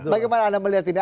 bagaimana anda melihat ini